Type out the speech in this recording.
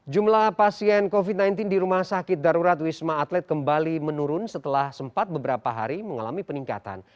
jumlah pasien covid sembilan belas di rumah sakit darurat wisma atlet kembali menurun setelah sempat beberapa hari mengalami peningkatan